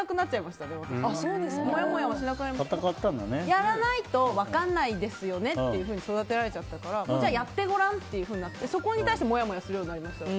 やらないと分からないですよねって育てられちゃったからじゃあ、やってごらんってなってそこに対してもやもやするようになりました。